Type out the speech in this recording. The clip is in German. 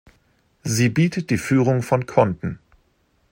Sie bietet die Führung von Konten.